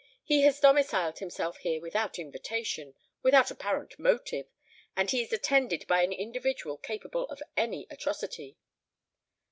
He has domiciled himself here without invitation—without apparent motive; and he is attended by an individual capable of any atrocity."